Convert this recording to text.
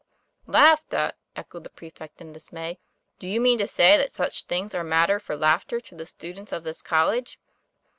'Laughed at!" echoed the prefect in dismay; " do you mean to say that such things are matter for laughter to the students of this college?"